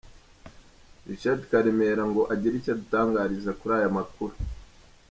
Richard Karemire, ngo agire icyo arutangariza kuri aya makuru.